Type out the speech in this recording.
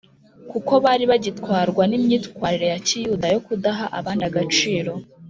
kuko bari bagitwarwa n’imyitwarire ya Kiyuda yo kudaha abandi agaciro